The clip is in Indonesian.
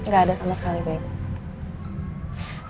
gak ada sama sekali babe